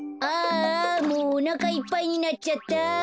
ああもうおなかいっぱいになっちゃった。